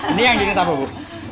ini yang jenis apa bu